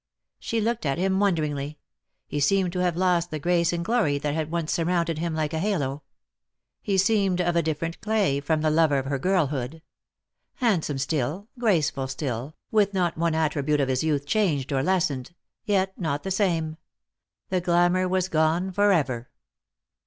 She looked at him wonderingly. He seemed to have lost the grace and glory that had once surrounded him like a halo. He seemed of a different clay from the lover of her girlhood. Handsome still, graceful still, with not one attribute of his youth changed or lessened — yet not the same. The glamour was gone for ever.